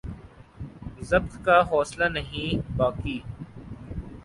ضبط کا حوصلہ نہیں باقی